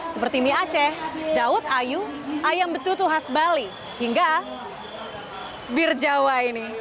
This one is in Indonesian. seperti mie aceh daud ayu ayam betutu khas bali hingga bir jawa ini